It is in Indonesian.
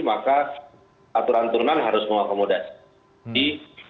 maka aturan turunan harus mengakomodasi